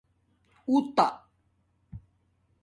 اُتݳ